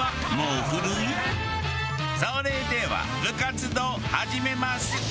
それでは部活動始めます。